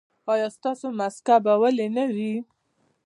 ایا ستاسو مسکه به ویلې نه وي؟